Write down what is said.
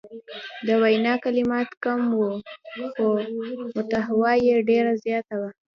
د وینا کلمات کم وو خو محتوا یې ډیره زیاته وه.